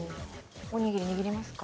おにぎり握りますか？